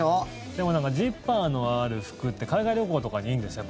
でもジッパーのある服って海外旅行とかにいいんですよ。